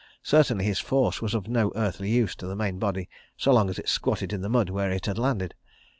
Certainly his force was of no earthly use to the main body so long as it squatted in the mud where it had landed.